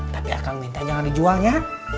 tapi akang minta jangan dijuallnya